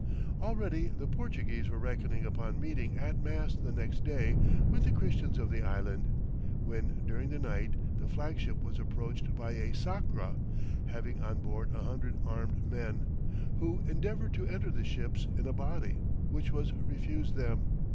Already the Portuguese were reckoning upon meeting at mass the next day with the Christians of the Island, when during the night, the flag ship was approached by a zacra, having on board a hundred armed men, who endeavoured to enter the ships in a body, which was refused them.